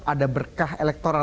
ada berkah elektoral